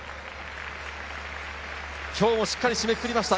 今日もしっかり締めくくりました。